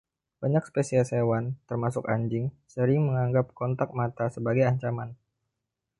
Banyak spesies hewan, termasuk anjing, sering menganggap kontak mata sebagai ancaman.